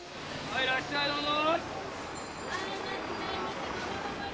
いらっしゃいどうぞ！